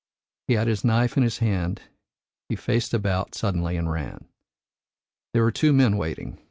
He had his knife in his hand, he faced about suddenly and ran. There were two men waiting.